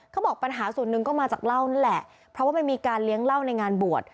เขาบอกปัญหาส่วนหนึ่งก็มาจากเหล้านั่นแหละเพราะว่ามันมีการเลี้ยงเหล้าในงานบวช